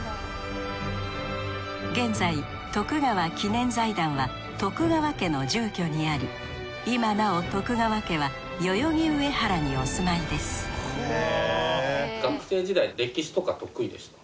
現在川記念財団は川家の住居にあり今なお川家は代々木上原にお住まいですあっそうなんですか。